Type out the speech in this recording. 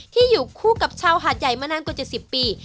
ที่อยู่คู่กับชาวหาดใหญ่มานานกว่า๗๐ปี